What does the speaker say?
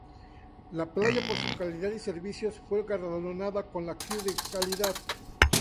La playa, por su calidad y servicios, fue galardonada con la "Q de Calidad".